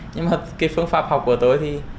nhưng mà cái phương pháp học của tôi thì